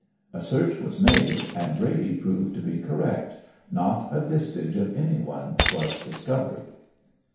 "A search was made, and Brady proved to be correct. Not a vestige of anyone was discovered.